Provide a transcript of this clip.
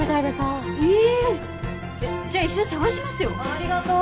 ありがとう。